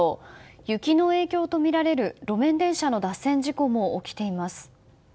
雪の影響とみられる路面電車の脱線事故も起きています。